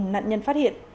nạn nhân phát hiện